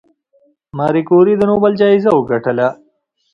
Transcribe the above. ماري کوري د نوبل جایزه وګټله؟